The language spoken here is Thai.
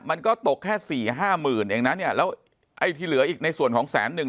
มันก็ตกแค่สี่ห้าหมื่นเองนะเนี่ยแล้วไอ้ที่เหลืออีกในส่วนของแสนหนึ่ง